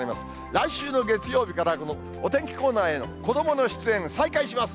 来週の月曜日からこのお天気コーナーへの子どもの出演、再開します。